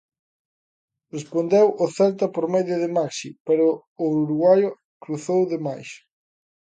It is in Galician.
Respondeu o Celta por medio de Maxi pero o uruguaio cruzou de máis.